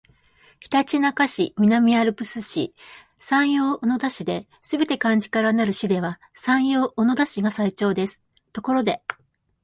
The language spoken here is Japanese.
ひたちなか市、南アルプス市、山陽小野田市ですべて漢字からなる市では山陽小野田市が最長ですところで